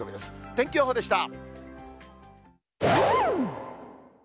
天気予報でした。